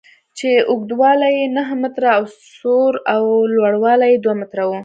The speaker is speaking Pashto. چې اوږدوالی یې نهه متره او سور او لوړوالی یې دوه متره و.